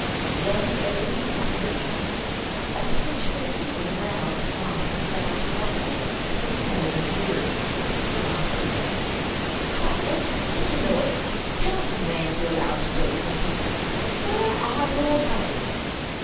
Then everything happened at once. Osterbridge Hawsey was aroused at last and sat up abruptly, heavy headed and bleary, thickly asking: "Claggett! What a noise! Cannot a man be allowed to doze in peace? Where are your manners?"